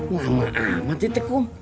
nama amat itu kum